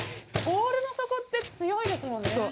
ボウルの底って強いですもんね。